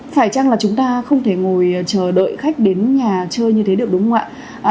phải chăng là chúng ta không thể ngồi chờ đợi khách đến nhà chơi như thế được đúng không ạ